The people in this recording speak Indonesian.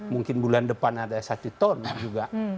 mungkin bulan depan ada satu ton juga